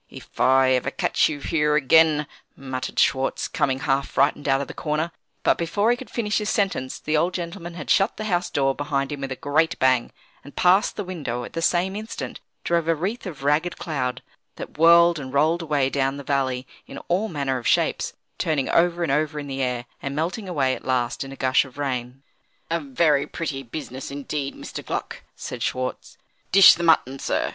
"If I ever catch you here again," muttered Schwartz, coming, half frightened, out of the corner but before he could finish his sentence, the old gentleman had shut the house door behind him with a great bang; and past the window, at the same instant, drove a wreath of ragged cloud, that whirled and rolled away down the valley in all manner of shapes; turning over and over in the air, and melting away at last in a gush of rain. "A very pretty business, indeed, Mr. Gluck!" said Schwartz. "Dish the mutton, sir.